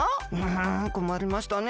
んこまりましたね。